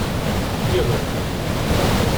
Jövök!